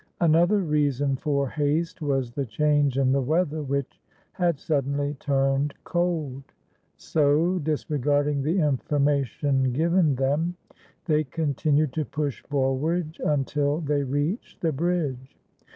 Another reason for haste was the change in the weather, which had suddenly turned cold; so, disregarding the information given them, they continued to push forward until they reached the bridge.